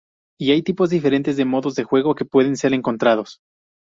Y hay tipos diferentes de modos de juego que pueden ser encontrados.